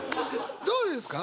どうですか？